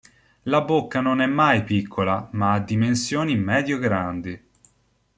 La bocca non è mai piccola, ma ha dimensioni medio-grandi.